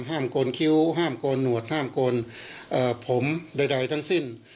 โกนคิ้วห้ามโกนหนวดห้ามโกนผมใดทั้งสิ้น